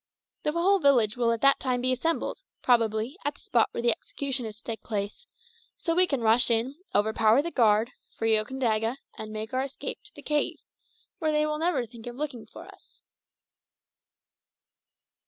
The whole village will at that time be assembled, probably, at the spot where the execution is to take place; so we can rush in, overpower the guard, free Okandaga, and make our escape to the cave, where they will never think of looking for us."